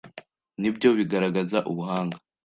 ni byo bigaragaza ubuhanga